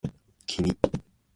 君